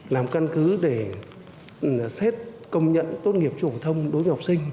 làm căn cứ để xét công nhận tốt nghiệp trung học phổ thông đối với học sinh